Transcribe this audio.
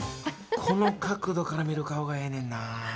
この角度から見る顔がええねんなあ。